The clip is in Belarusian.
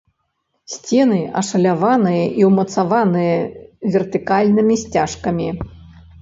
Сцены ашаляваныя і ўмацаваныя вертыкальнымі сцяжкамі.